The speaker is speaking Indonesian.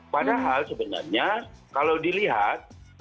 padahal sebenarnya kalau dilihat